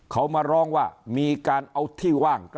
เขามาร้องว่ามีการเอาที่ว่าง